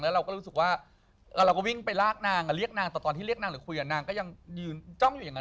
เราก็รู้สึกว่าเราก็วิ่งไปลากนางเรียกนางแต่ตอนที่เรียกนางหรือคุยนางก็ยังยืนจ้องอยู่อย่างนั้น